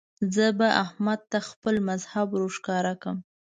زه به احمد ته خپل مذهب ور ښکاره کړم.